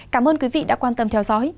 cảm ơn quý vị đã quan tâm theo dõi